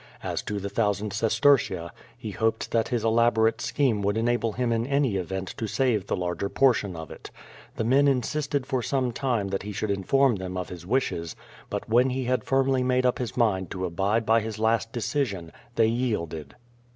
As to the thousand sestertia, he hoped that his elaborate scheme would enable him in any event to save the larger por tion of it. The men insisted for some time that he should in form them of his wishes, but when he had firmly made up his mind to abide by his last decision, they yielded.